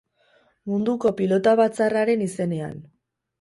Munduko Pilota Batzarraren izenean.